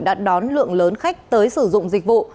đã đón lượng lớn khách tới sử dụng dịch vụ